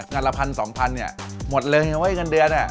งานละพันสองพันหมดเลยเงินเดือน